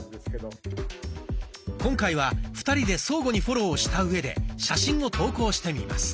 今回は２人で相互にフォローをしたうえで写真を投稿してみます。